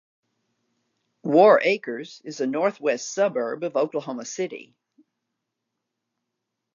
Warr Acres is a northwest suburb of Oklahoma City.